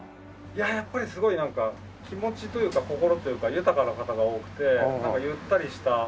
いやあやっぱりすごい気持ちというか心というか豊かな方が多くてゆったりした。